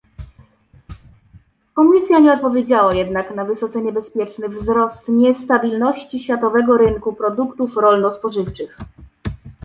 Komisja nie odpowiedziała jednak na wysoce niebezpieczny wzrost niestabilności światowego rynku produktów rolno-spożywczych